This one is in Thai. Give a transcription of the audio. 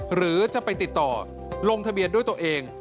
หรือจะไปติดต่อลงทะเบียนด้วยตัวเอง